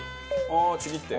ああちぎって。